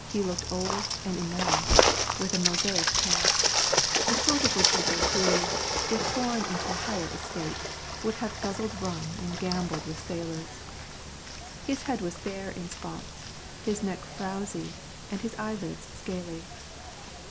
He looked old and immoral, with a mosaic past, the sort of woodpecker who, if born into a higher estate, would have guzzled rum and gambled with sailors. His head was bare in spots, his neck frowsy, and his eyelids scaly.